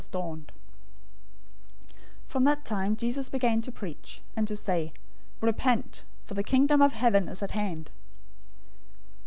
"{Isaiah 9:1 2} 004:017 From that time, Jesus began to preach, and to say, "Repent! For the Kingdom of Heaven is at hand."